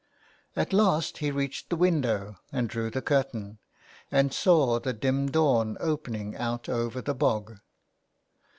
At last he reached the window and drew the curtain, and saw the dim dawn opening out over the bog.